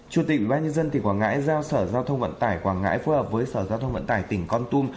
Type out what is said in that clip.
chủ tịch ubnd tỉnh quảng ngãi giao sở giao thông vận tải quảng ngãi phối hợp với sở giao thông vận tải tỉnh con tum